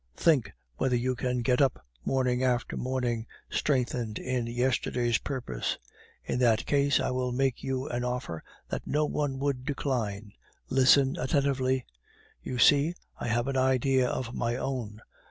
Think whether you can get up morning after morning, strengthened in yesterday's purpose. In that case I will make you an offer that no one would decline. Listen attentively. You see, I have an idea of my own.